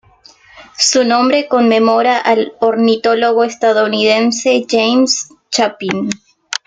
Su nombre conmemora al ornitólogo estadounidense James Chapin.